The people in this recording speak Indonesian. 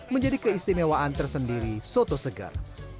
menjadi keistimewaan tersendiri soto segar